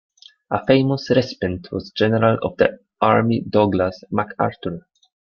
A famous recipient was General of the Army Douglas MacArthur.